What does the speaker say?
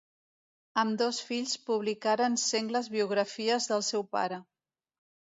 Ambdós fills publicaren sengles biografies del seu pare.